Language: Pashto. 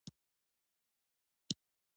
نس یې درد کوي